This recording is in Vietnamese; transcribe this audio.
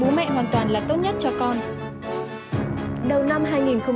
bố mẹ hoàn toàn là tốt nhất cho con